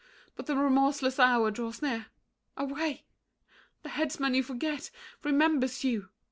But the remorseless hour draws near. Away! The headsman you forget, remembers you.